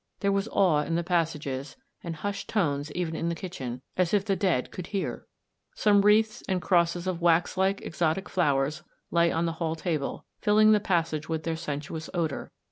There was awe in the passages, and hushed tones even in the kitchen, as if the dead could hear! Some wreaths and crosses of wax like exotic flow ers lay on the hall table, filling the passage with their sensuous odour.